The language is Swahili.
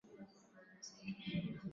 uwanda wa Ulaya ya Mashariki na uwanda wa